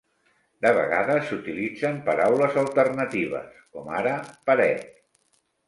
De vegades s'utilitzen paraules alternatives, com ara "paret".